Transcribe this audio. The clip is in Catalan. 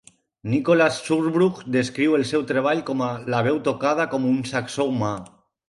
Nicholas Zurbrugg descriu el seu treball com "la veu tocada com un saxo humà".